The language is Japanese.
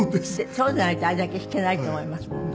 そうでないとあれだけ弾けないと思いますもんね。